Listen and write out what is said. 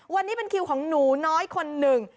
วันนี้เป็นคิวของหนูน้อยคนหนึ่ง